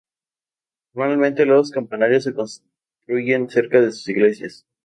Normalmente, los campanarios se construyen cerca de sus iglesias.